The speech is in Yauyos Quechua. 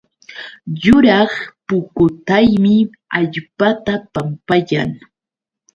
Yuraq pukutaymi allpata pampayan